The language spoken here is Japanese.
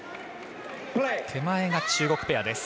手前が中国ペアです。